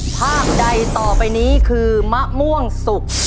ภาพใดต่อไปนี้คือมะม่วงสุก